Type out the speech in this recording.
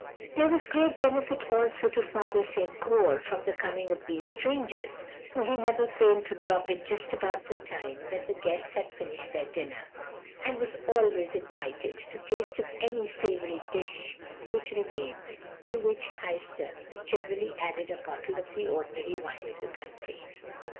"There was great benefit also to Father St. Goar from the coming of these strangers, for he never failed to drop in just about the time that the guests had finished their dinner, and was always invited to taste of any savoury dish which remained, to which Heister generally added a bottle of the ordinary wine of the country.